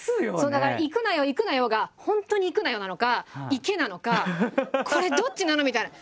だから「いくなよいくなよ」が「本当にいくなよ」なのか「いけ」なのかこれどっちなの？みたいな。